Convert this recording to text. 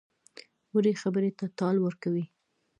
وړې خبرې ته ټال ورکوي.